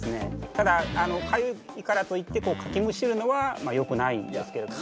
ただかゆいからといってかきむしるのはよくないですけどね。